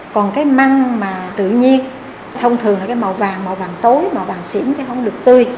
còn cái măng mà tự nhiên thông thường là cái màu vàng màu vàng tối màu vàng xỉn chứ không lưỡng